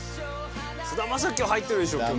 菅田将暉は入ってるでしょ去年。